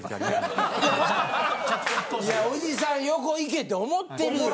おじさん横いけって思ってるよ。